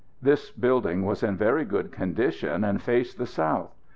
This building was in very good condition, and faced the south.